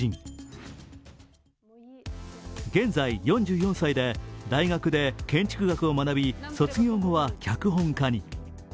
現在４４歳で、大学で建築学を学び、卒業後は脚本家に。